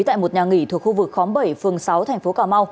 tại một nhà nghỉ thuộc khu vực khóm bảy phường sáu tp hcm